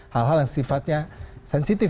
hal hal yang sifatnya sensitif